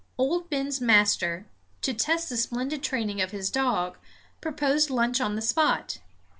Old Ben's master, to test the splendid training of his dog, proposed lunch on the spot.